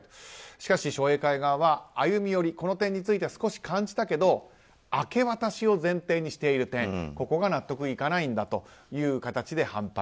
しかし商栄会側は、歩み寄りこの点については少し感じたけど明け渡しを前提にしている点ここが納得いかないんだという形で反発。